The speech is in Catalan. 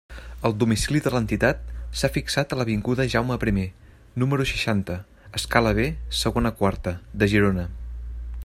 El domicili de l'Entitat s'ha fixat a l'avinguda Jaume primer número seixanta escala B segona quarta, de Girona.